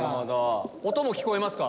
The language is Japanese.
音も聞こえますか？